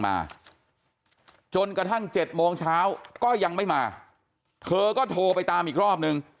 มาจนกระทั่ง๗โมงเช้าก็ยังไม่มาเธอก็โทรไปตามอีกรอบนึง